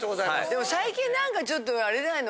でも最近なんかちょっとあれじゃないの？